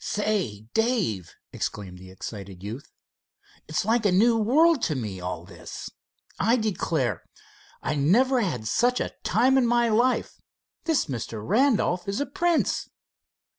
"Say, Dave," exclaimed the excited youth, "it's like a new world to me, all this. I declare, I never had such a time in my life. This Mr. Randolph is a prince."